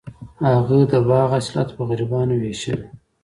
هغه د باغ حاصلات په غریبانو ویشل.